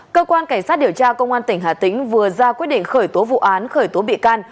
cơ quan cảnh sát điều tra công an tỉnh hà tĩnh vừa ra quyết định khởi tố vụ án khởi tố bị can